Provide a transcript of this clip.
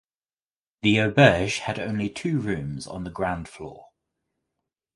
The auberge had only two rooms on the ground floor.